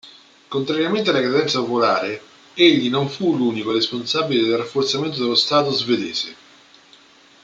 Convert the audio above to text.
Contrariamente alla credenza popolare, egli non fu l'unico responsabile del rafforzamento dello stato svedese.